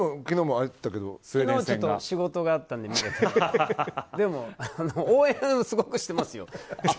昨日は仕事があったんででも、応援はすごくしてますよ。